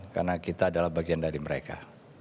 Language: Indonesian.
karena kita adalah bagian dari mereka